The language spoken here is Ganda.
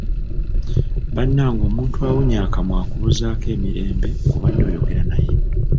Bannange omuntu awunnya akamwa akubuuzaako emirembe ng'obade oyogera naye!